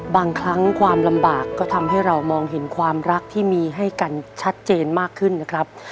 บางครั้งความลำบากก็ทำให้เรามองเห็นความรักที่มีให้กันชัดเจนมากขึ้นนะครับ